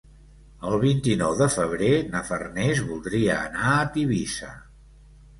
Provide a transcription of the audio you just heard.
El vint-i-nou de febrer na Farners voldria anar a Tivissa.